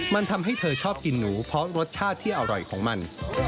มันทำให้เธอชอบกินหนูพร้อมรสชาติที่อร่อยของมัน